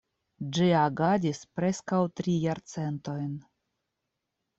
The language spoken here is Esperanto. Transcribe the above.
Ĝi agadis preskaŭ tri jarcentojn.